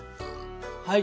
はい。